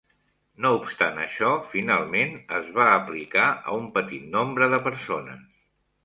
No obstant això, finalment es va aplicar a un petit nombre de persones.